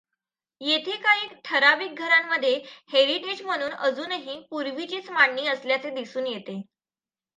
येथे काही ठरावीक घरांमध्ये हेरिटेज म्हणून अजूनही पूर्वीचीच मांडणी असल्याचे दिसून येते.